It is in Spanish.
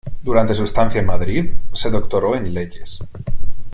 Durante su estancia en Madrid se doctoró en Leyes.